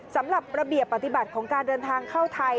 สำหรับระเบียบปฏิบัติของการเดินทางเข้าไทย